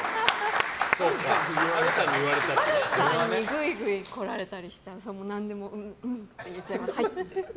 波瑠さんにグイグイ来られたりしたら何でも、うんうんって言っちゃいますね。